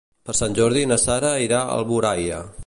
Per Sant Jordi na Sara irà a Alboraia.